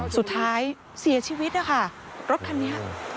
สุดท้ายเสียชีวิตนะคะรถคันนี้